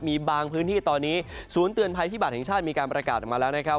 มีบางพื้นที่ตอนนี้ศูนย์เตือนภัยพิบัตรแห่งชาติมีการประกาศออกมาแล้วนะครับ